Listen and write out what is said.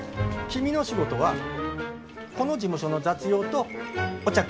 君の仕事はこの事務所の雑用とお茶くみ。